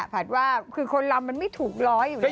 ผัดว่าคือคนลำมันไม่ถูกร้อยอยู่แล้ว